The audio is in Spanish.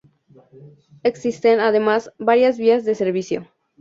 Existen, además, varias vías de servicio.